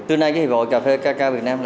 từ nay hiệp hội cà phê ca cao việt nam